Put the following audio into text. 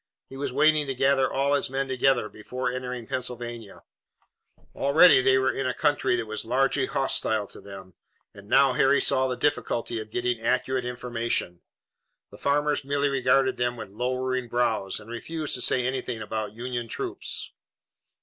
He was waiting to gather all his men together before entering Pennsylvania. Already they were in a country that was largely hostile to them, and now Harry saw the difficulty of getting accurate information. The farmers merely regarded them with lowering brows and refused to say anything about Union troops.